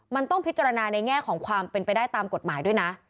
มันต้องพิจารณาในแง่ของความเป็นไปได้ตามกฎหมายด้วยนะ